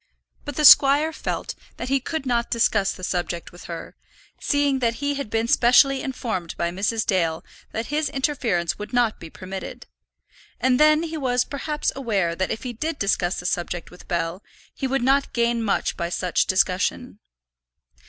But the squire felt that he could not discuss the subject with her, seeing that he had been specially informed by Mrs. Dale that his interference would not be permitted; and then he was perhaps aware that if he did discuss the subject with Bell, he would not gain much by such discussion.